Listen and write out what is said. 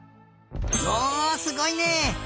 おすごいね！